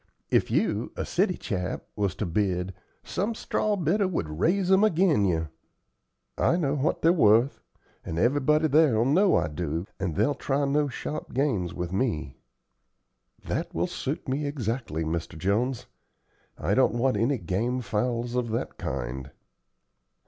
If you, a city chap, was to bid, some straw bidder would raise 'em agin you. I know what they're wuth, and everybody there'll know I do, and they'll try no sharp games with me." "That will suit me exactly, Mr. Jones. I don't want any game fowls of that kind."